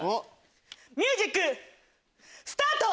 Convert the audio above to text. ミュージックスタート‼